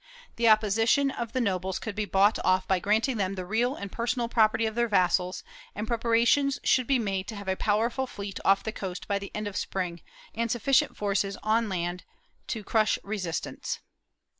The opposition of the nobles could be bought off by granting them the real and personal property of their vassals, and preparations should be made to have a powerful fleet off the coast by the end of Spring, and sufficient forces on land to crush resistance.